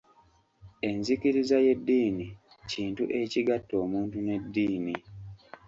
Enzikiriza y'eddiini kintu ekigatta omuntu n'eddiini